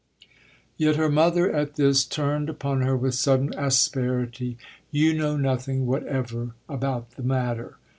Yet her mother, at this, turned upon her with sudden asperity. "You know nothing whatever about the matter!"